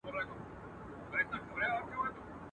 فرنګ به تر اورنګه پوري پل په وینو یوسي.